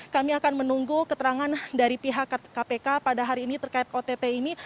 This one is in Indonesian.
kami akan menunggu keterangan dari pihak kpk pada hari ini terkait ott ini